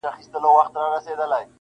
• او د کلي اوسېدونکي یې -